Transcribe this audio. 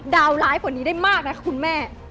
ดาวร้ายกว่านี้ได้มากนะคุณแม่